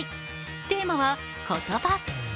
テーマは「言葉」。